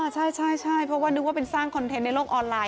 ใช่เพราะว่านึกว่าเป็นสร้างคอนเทนต์ในโลกออนไลน